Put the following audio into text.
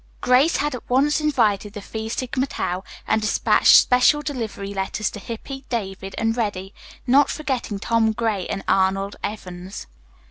Grace had at once invited the Phi Sigma Tau, and dispatched special delivery letters to Hippy, David and Reddy, not forgetting Tom Gray and Arnold Evans.